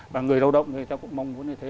và người lao động người ta cũng mong muốn như thế